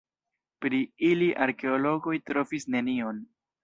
Pri ili arkeologoj trovis nenion.